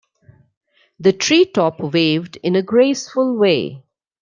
The tree top waved in a graceful way.